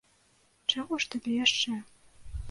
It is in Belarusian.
Чаго ж табе яшчэ?